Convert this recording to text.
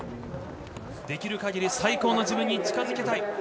できる限り最高の自分に近づけたい。